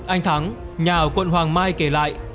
anh thắng nhà ở quận hoàng mai kể lại